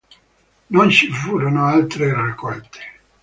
Non ci furono altre raccolte.